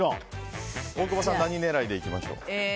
大久保さん何狙いでいきましょう。